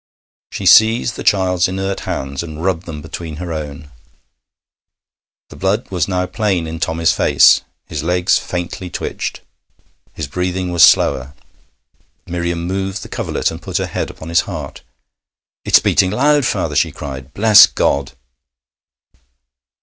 She seized the child's inert hands and rubbed them between her own. The blood was now plain in Tommy's face. His legs faintly twitched. His breathing was slower. Miriam moved the coverlet and put her head upon his heart. 'It's beating loud, father,' she cried. 'Bless God!'